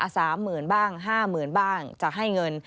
สามหมื่นบ้างห้าหมื่นบ้างจะให้เงิน